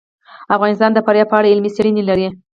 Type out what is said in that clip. افغانستان د فاریاب په اړه علمي څېړنې لري.